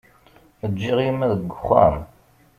Ǧǧiɣ gma deg uxxam.